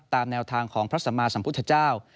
ตามแนวทางของพระสัมมาสัมพุทธเจ้า